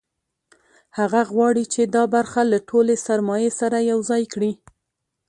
هغه غواړي چې دا برخه له ټولې سرمایې سره یوځای کړي